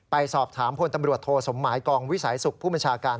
ไปสอบถามพนธุ์ตำรวจโทษธนกฤทธิ์สมหมายกองวิสัยสุขผู้บัญชาการ